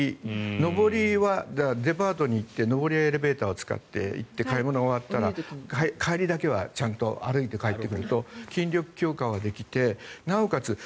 上りはデパートに行って上りエレベーターを使って行って買い物が終わったら帰りだけは歩いて帰ってくると筋力強化ができてなおかつ